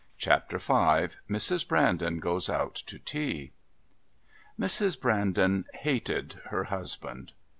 Chapter V Mrs. Brandon Goes Out to Tea Mrs. Brandon hated her husband.